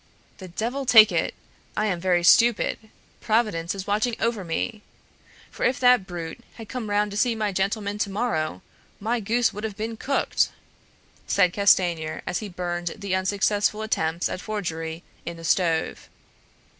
"The devil take it; I am very stupid. Providence is watching over me; for if that brute had come round to see my gentlemen to morrow, my goose would have been cooked!" said Castanier, and he burned the unsuccessful attempts at forgery in the stove.